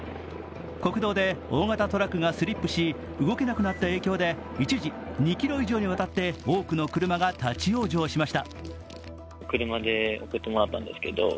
国道で大型トラックがスリップし動けなくなった影響で一時、２ｋｍ以上にわたって多くの車が立往生しました。